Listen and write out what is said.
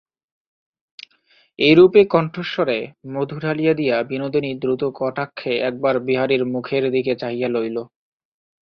এইরূপে কণ্ঠস্বরে মধু ঢালিয়া দিয়া বিনোদিনী দ্রুতকটাক্ষে একবার বিহারীর মুখের দিকে চাহিয়া লইল।